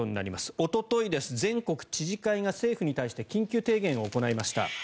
おととい、全国知事会が政府に対して緊急提言を行いました。